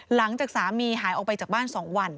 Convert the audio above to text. หลังจากสามีหายออกไปจากบ้าน๒วัน